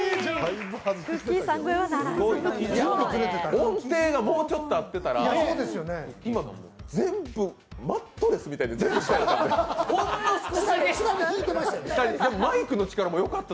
音程がもうちょっと合ってたら、今の、マットレスみたいに全部下やった。